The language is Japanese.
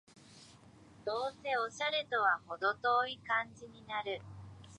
どうせオシャレとはほど遠い感じになる